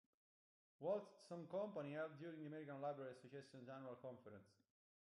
Wilson Company, held during the American Library Association's annual conference.